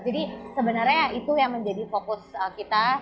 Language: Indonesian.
jadi sebenarnya itu yang menjadi fokus kita